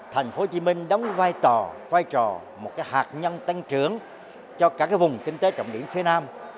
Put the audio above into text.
tp hcm đóng vai trò vai trò một hạt nhân tăng trưởng cho cả vùng kinh tế trọng điểm phía nam